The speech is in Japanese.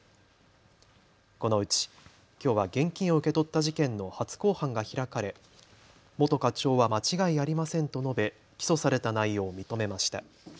このうちきょうは現金を受け取った事件の初公判が開かれ元課長は間違いありませんと述べ起訴された内容を認めました。